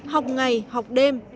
học ngày học đêm